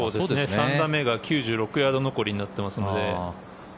３打目が９６ヤード残りになっていますので。